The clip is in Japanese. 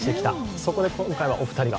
そこで今回はお二人が。